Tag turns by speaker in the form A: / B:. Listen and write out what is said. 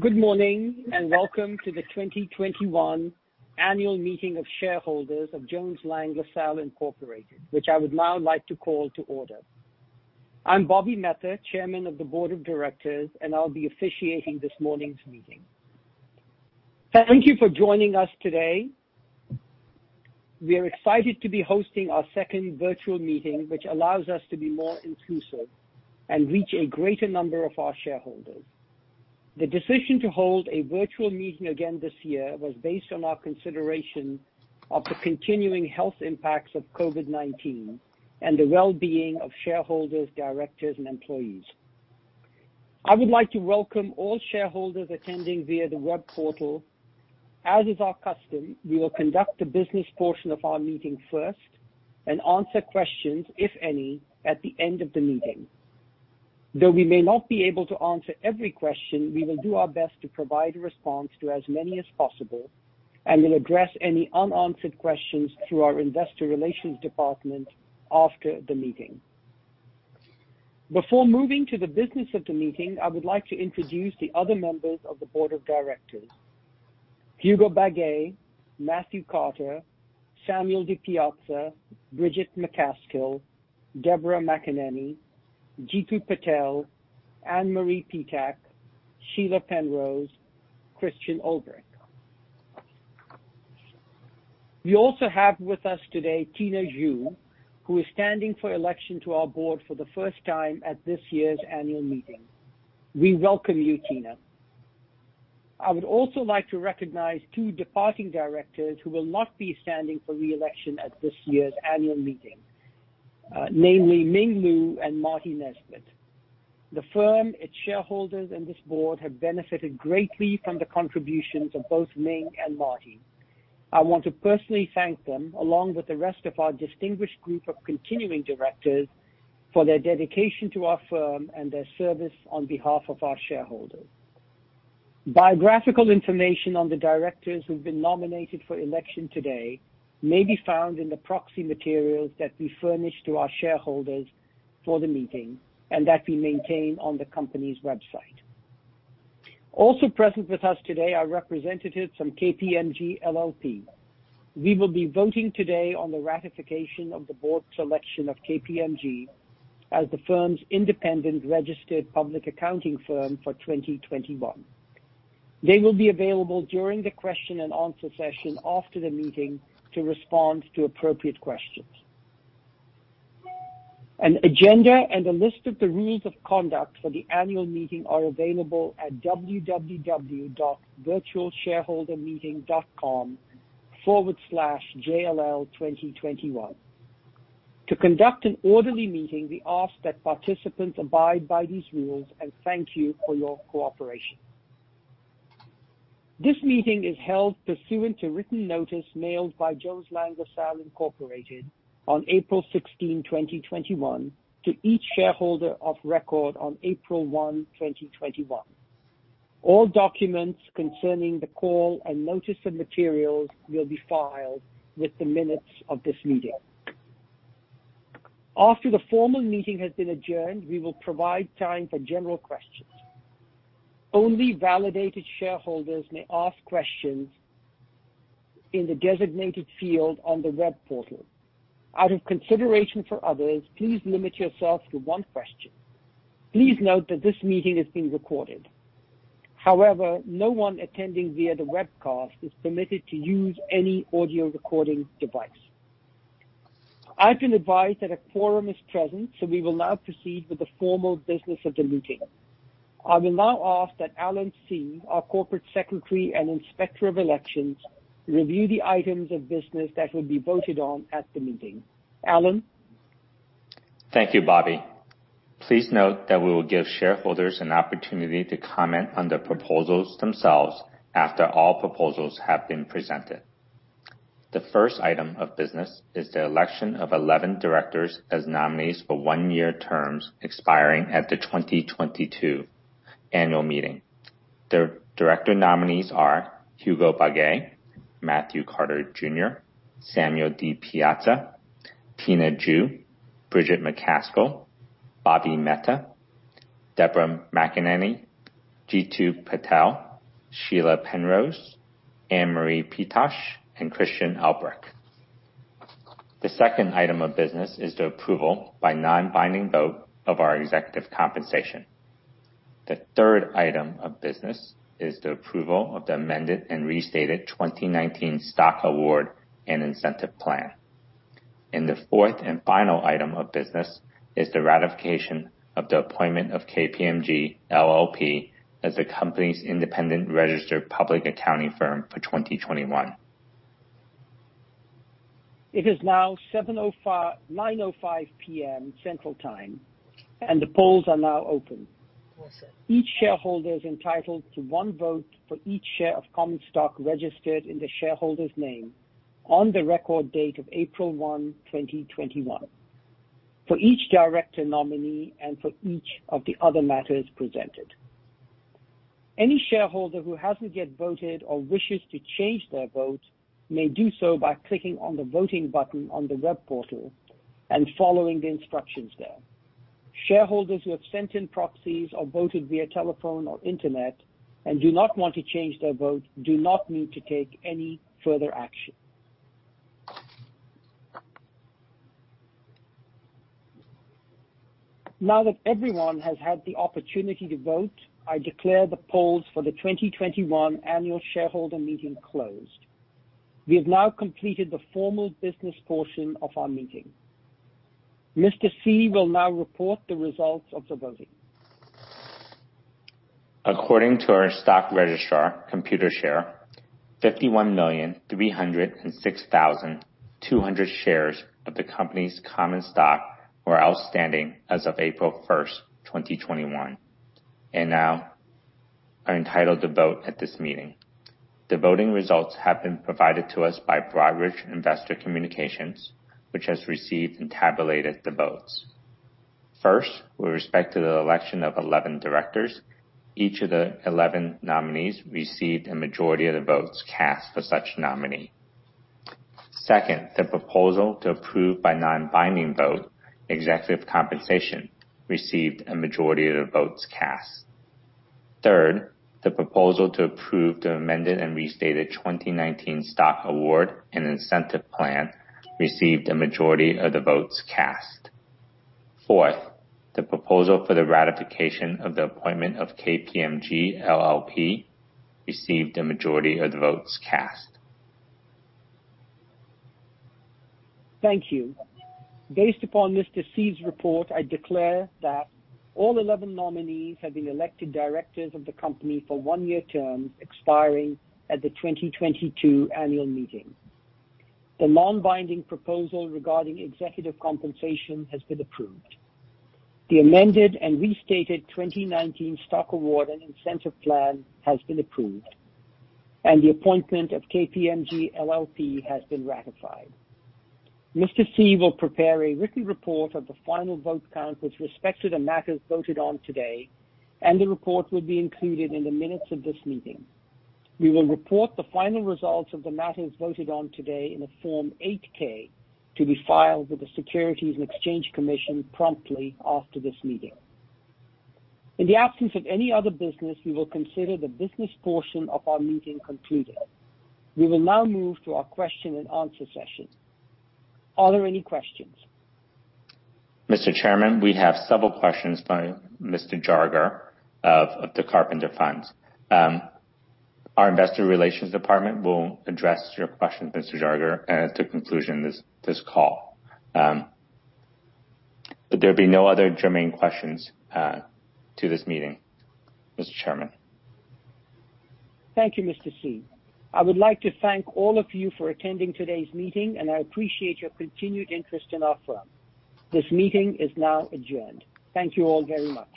A: Good morning, and welcome to the 2021 annual meeting of shareholders of Jones Lang LaSalle Incorporated, which I would now like to call to order. I'm Bobby Mehta, Chairman of the Board of Directors, and I'll be officiating this morning's meeting. Thank you for joining us today. We are excited to be hosting our second virtual meeting, which allows us to be more inclusive and reach a greater number of our shareholders. The decision to hold a virtual meeting again this year was based on our consideration of the continuing health impacts of COVID-19 and the well-being of shareholders, directors, and employees. I would like to welcome all shareholders attending via the web portal. As is our custom, we will conduct the business portion of our meeting first and answer questions, if any, at the end of the meeting. Though we may not be able to answer every question, we will do our best to provide a response to as many as possible and will address any unanswered questions through our investor relations department after the meeting. Before moving to the business of the meeting, I would like to introduce the other members of the Board of Directors, Hugo Bagué, Matthew Carter, Samuel DiPiazza, Bridget Macaskill, Deborah McAneny, Jeetu Patel, Ann Marie Petach, Sheila Penrose, Christian Ulbrich. We also have with us today Tina Ju, who is standing for election to our Board for the first time at this year's Annual Meeting. We welcome you, Tina. I would also like to recognize two departing directors who will not be standing for re-election at this year's Annual Meeting, namely Ming Lu and Martin Nesbitt. The firm, its shareholders, and this board have benefited greatly from the contributions of both Ming Lu and Martin Nesbitt. I want to personally thank them, along with the rest of our distinguished group of continuing directors, for their dedication to our firm and their service on behalf of our shareholders. Biographical information on the directors who've been nominated for election today may be found in the proxy materials that we furnish to our shareholders for the meeting and that we maintain on the company's website. Also present with us today are representatives from KPMG LLP. We will be voting today on the ratification of the board's selection of KPMG as the firm's independent registered public accounting firm for 2021. They will be available during the question and answer session after the meeting to respond to appropriate questions. An agenda and a list of the rules of conduct for the annual meeting are available at www.virtualshareholdermeeting.com/jll2021. To conduct an orderly meeting, we ask that participants abide by these rules and thank you for your cooperation. This meeting is held pursuant to written notice mailed by Jones Lang LaSalle Incorporated on April 16, 2021, to each shareholder of record on April 1, 2021. All documents concerning the call and notice of materials will be filed with the minutes of this meeting. After the formal meeting has been adjourned, we will provide time for general questions. Only validated shareholders may ask questions in the designated field on the web portal. Out of consideration for others, please limit yourself to one question. Please note that this meeting is being recorded. However, no one attending via the webcast is permitted to use any audio recording device. I've been advised that a quorum is present, so we will now proceed with the formal business of the meeting. I will now ask that Alan Tse, our Corporate Secretary and Inspector of Elections, review the items of business that will be voted on at the meeting. Alan?
B: Thank you, Bobby. Please note that we will give shareholders an opportunity to comment on the proposals themselves after all proposals have been presented. The first item of business is the election of 11 directors as nominees for one-year terms expiring at the 2022 annual meeting. The director nominees are Hugo Bagué, Matthew Carter Jr., Samuel DiPiazza, Tina Ju, Bridget Macaskill, Bobby Mehta, Deborah McAneny, Jeetu Patel, Sheila Penrose, Ann Marie Petach, and Christian Ulbrich. The second item of business is the approval by non-binding vote of our executive compensation. The third item of business is the approval of the amended and restated 2019 Stock Award and Incentive Plan. The fourth and final item of business is the ratification of the appointment of KPMG LLP as the company's independent registered public accounting firm for 2021.
A: It is now 9:05 P.M. Central Time. The polls are now open. Each shareholder is entitled to one vote for each share of common stock registered in the shareholder's name on the record date of April 1, 2021 for each director nominee and for each of the other matters presented. Any shareholder who hasn't yet voted or wishes to change their vote may do so by clicking on the voting button on the web portal and following the instructions there. Shareholders who have sent in proxies or voted via telephone or internet and do not want to change their vote do not need to take any further action. Now that everyone has had the opportunity to vote, I declare the polls for the 2021 annual shareholder meeting closed. We have now completed the formal business portion of our meeting. Mr. Tse will now report the results of the voting.
B: According to our stock registrar, Computershare, 51,306,200 shares of the company's common stock were outstanding as of April 1st, 2021, and now are entitled to vote at this meeting. The voting results have been provided to us by Broadridge Investor Communications, which has received and tabulated the votes. First, with respect to the election of 11 directors, each of the 11 nominees received a majority of the votes cast for such nominee. Second, the proposal to approve by non-binding vote executive compensation received a majority of the votes cast. Third, the proposal to approve the amended and restated 2019 Stock Award and Incentive Plan received a majority of the votes cast. Fourth, the proposal for the ratification of the appointment of KPMG LLP received a majority of the votes cast.
A: Thank you. Based upon Mr. Tse's report, I declare that all 11 nominees have been elected directors of the company for one-year terms expiring at the 2022 annual meeting. The non-binding proposal regarding executive compensation has been approved. The amended and restated 2019 Stock Award and Incentive Plan has been approved, and the appointment of KPMG LLP has been ratified. Mr. Tse will prepare a written report of the final vote count with respect to the matters voted on today, and the report will be included in the minutes of this meeting. We will report the final results of the matters voted on today in a Form 8-K to be filed with the Securities and Exchange Commission promptly after this meeting. In the absence of any other business, we will consider the business portion of our meeting concluded. We will now move to our question and answer session. Are there any questions?
B: Mr. Chairman, we have several questions by Mr. Jalger of Carpenter Funds. Our investor relations department will address your questions, Mr. Jalger, at the conclusion of this call. There'll be no other germane questions to this meeting, Mr. Chairman.
A: Thank you, Mr. Tse. I would like to thank all of you for attending today's meeting, and I appreciate your continued interest in our [firm]. This meeting is now adjourned. Thank you all very much.